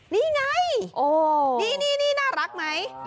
นี่ไงนี่น่ารักไหม